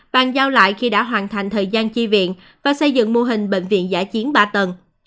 bàn giao lại khi đã hoàn thành thời gian chi viện và xây dựng mô hình bệnh viện giả chiến ba tầng